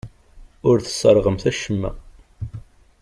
Ur tesserɣemt acemma.